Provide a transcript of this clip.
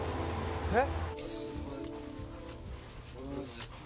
えっ？